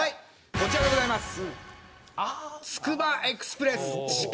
こちらでございます。